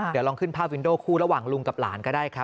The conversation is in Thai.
เดี๋ยวลองขึ้นภาพวินโดคู่ระหว่างลุงกับหลานก็ได้ครับ